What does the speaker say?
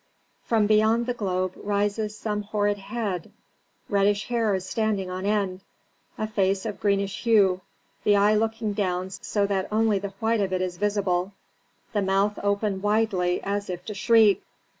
"From beyond the globe rises some horrid head reddish hair is standing on end; a face of greenish hue; the eye looking down so that only the white of it is visible; the mouth open widely, as if to shriek."